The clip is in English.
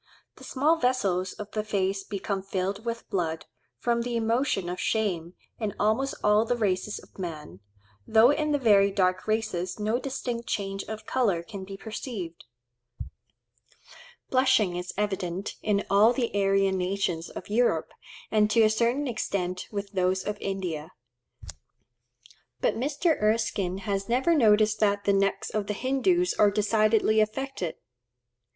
—The small vessels of the face become filled with blood, from the emotion of shame, in almost all the races of man, though in the very dark races no distinct change of colour can be perceived. Blushing is evident in all the Aryan nations of Europe, and to a certain extent with those of India. But Mr. Erskine has never noticed that the necks of the Hindoos are decidedly affected.